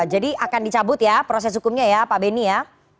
jadi akan dicabut ya proses hukumnya ya pak benny ya